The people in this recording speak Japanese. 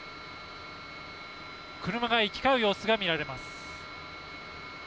車が行き交う様子が見られます。